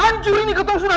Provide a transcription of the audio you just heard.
ancur ini ketuk sunah